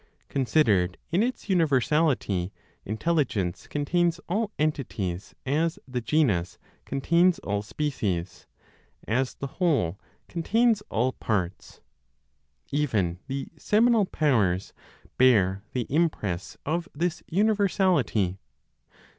Considered in its universality, Intelligence contains all entities as the genus contains all species, as the whole contains all parts. Even the seminal powers bear the impress of this universality.